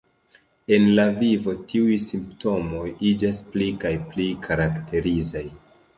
En la vivo tiuj simptomoj iĝas pli kaj pli karakterizaj.